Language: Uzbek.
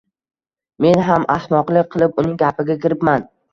Men ham ahmoqlik qilib uning gapiga kiribman